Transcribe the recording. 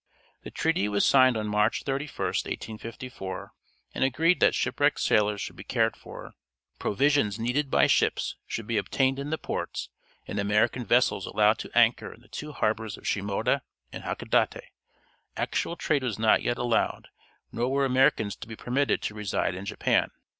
The treaty was signed on March 31, 1854, and agreed that shipwrecked sailors should be cared for, provisions needed by ships should be obtained in the ports, and American vessels allowed to anchor in the two harbors of Shimoda and Hakodate. Actual trade was not yet allowed, nor were Americans to be permitted to reside in Japan.